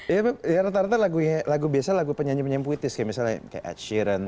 ya rata rata lagu biasa lagu penyanyi penyanyi puitis kayak misalnya kayak ed sheeran